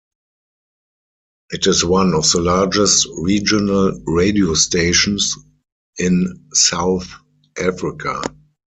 It is one of the largest regional radio stations in South Africa.